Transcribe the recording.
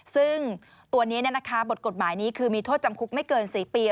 ซึ่งตัวนี้บทกฎหมายนี้คือมีโทษจำคุกไม่เกิน๔ปี